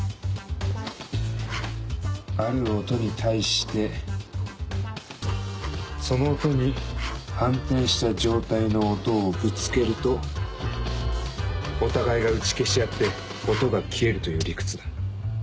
ある音に対してその音に反転した状態の音をぶつけるとお互いが打ち消し合って音が消えるという理屈だ。